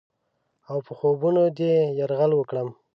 اوپه خوبونو دې یرغل وکړم؟